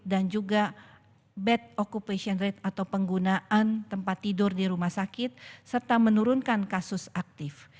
dan juga bad occupation rate atau penggunaan tempat tidur di rumah sakit serta menurunkan kasus aktif